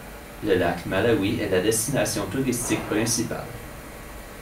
Le lac Malawi est la destination touristique principale.